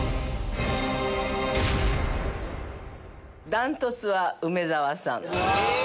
断トツは梅沢さん。